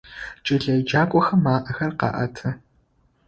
Кӏэлэеджакӏохэм аӏэхэр къаӏэты.